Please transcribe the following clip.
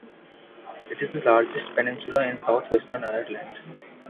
It is the largest peninsula in southwestern Ireland.